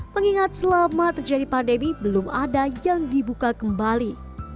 mengingat selama terjadi pandemi belum ada yang dibuka kembali